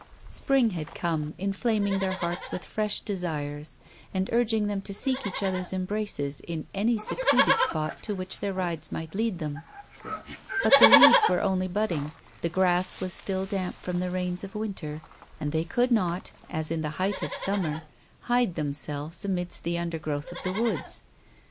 Spring had come, enflaming their hearts with fresh desires, and urging them to seek each other's embraces in any secluded spot to which their rides, might lead them ; but the leaves v^ere only budding, the grass was still damp from the rains of winter, and they could not, as in the height of summer, hide themselves amidst the undergrowth of the woods.